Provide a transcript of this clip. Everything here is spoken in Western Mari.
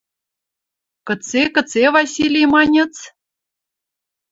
«Кыце, кыце, Василий, маньыц?